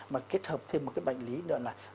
mà kết hợp thêm một cái bệnh lý nữa là